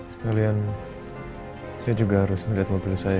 sekalian saya juga harus melihat mobil saya